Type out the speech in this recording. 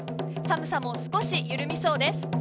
寒さも少し緩みそうです。